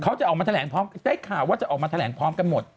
เขาจะออกมาแถลงพร้อมได้ข่าวว่าจะออกมาแถลงพร้อมกันหมด